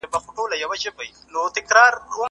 دا کتابونه له هغو مهم دي!